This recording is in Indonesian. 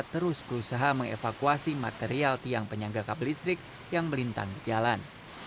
terus berusaha mengevakuasi material tiang penyangga kap listrik yang melintang jalan